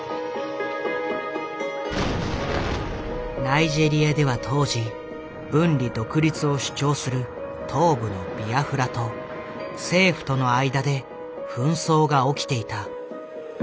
ナイジェリアでは当時分離独立を主張する東部のビアフラと政府との間で紛争が起きていた。